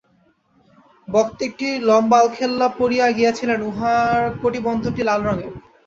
বক্তা একটি লম্বা আলখাল্লা পরিয়া গিয়াছিলেন উহার কটিবন্ধটি লাল রঙের।